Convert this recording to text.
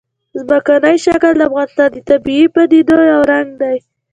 ځمکنی شکل د افغانستان د طبیعي پدیدو یو رنګ دی.